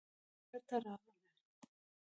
تورپيکۍ انګړ ته راغله.